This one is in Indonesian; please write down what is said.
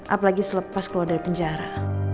apalagi selepas keluar dari penjara